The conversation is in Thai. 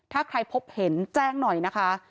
ถ้าใครพบเห็นแจ้งหน่อยนะคะ